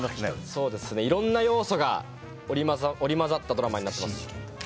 そうです、いろんな要素が織り交ざったドラマになっておりま